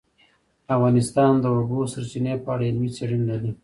افغانستان د د اوبو سرچینې په اړه علمي څېړنې لري.